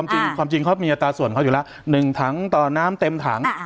จริงความจริงเขามีอัตราส่วนเขาอยู่แล้ว๑ถังต่อน้ำเต็มถัง